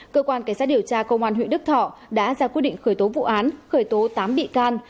cơ quan cảnh sát điều tra công an huyện đức thọ đã ra quyết định khởi tố vụ án khởi tố tám bị can